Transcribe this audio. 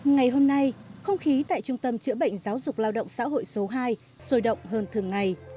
ngày hôm nay không khí tại trung tâm chữa bệnh giáo dục lao động xã hội số hai sôi động hơn thường ngày